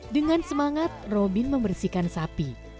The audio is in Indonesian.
dengan semangat robin membersihkan sapi